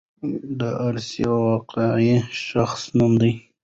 دارسي د واقعي شخص نوم و.